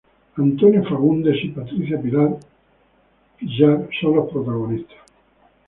Antônio Fagundes y Patrícia Pillar son los protagonistas.